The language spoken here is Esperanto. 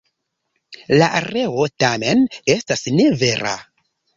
La reo tamen, estas ne vera.